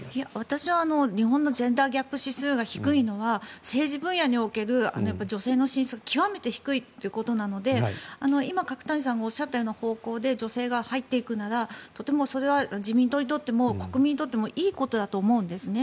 私は日本のジェンダーギャップ指数が低いのは政治分野における女性の数が極めて低いということなのでいま角谷さんがおっしゃった方向で女性が入っていくならそれは自民党にとっても国民にとってはいいことだと思うんですね。